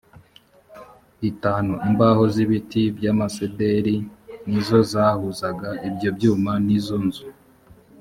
itanu imbaho z ibiti by amasederi l ni zo zahuzaga ibyo byumba n iyo nzu